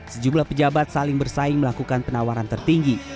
sejumlah pejabat saling bersaing melakukan penawaran tertinggi